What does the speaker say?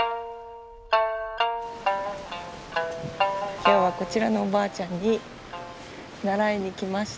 今日はこちらのおばあちゃんに習いに来ました。